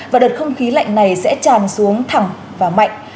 và đợt không khí lạnh này sẽ tràn xuống thẳng và mạnh